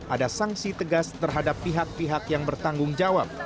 ada sanksi tegas terhadap pihak pihak yang bertanggung jawab